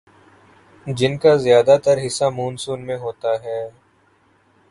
جن کا زیادہ تر حصہ مون سون میں ہوتا ہے